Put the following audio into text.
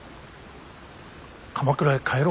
鎌倉へ帰ろう。